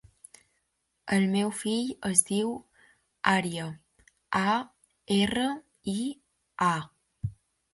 El meu fill es diu Aria: a, erra, i, a.